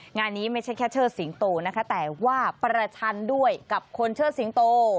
งานนี้ไม่ใช่แค่เชิดสิงโตนะคะแต่ว่าประชันด้วยกับคนเชิดสิงโต